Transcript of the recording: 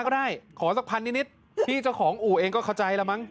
ก็ได้ขอสักพันนิดพี่เจ้าของอู่เองก็เข้าใจแล้วมั้ง